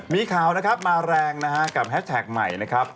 มีข่าวมาแรงนะครับกับแฮชแทกใหม่นะครับ